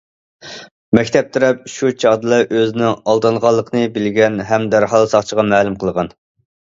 مەكتەپ تەرەپ شۇ چاغدىلا ئۆزىنىڭ ئالدانغانلىقىنى بىلگەن ھەم دەرھال ساقچىغا مەلۇم قىلغان.